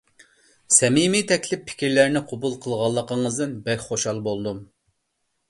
سەمىمىي تەكلىپ-پىكىرلەرنى قوبۇل قىلغانلىقىڭىزدىن بەك خۇشال بولدۇم.